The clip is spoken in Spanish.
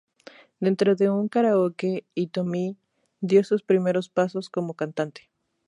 Dentro de un Karaoke Hitomi dio sus primeros pasos como cantante.